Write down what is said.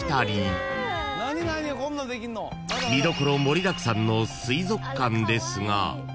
［見どころ盛りだくさんの水族館ですが］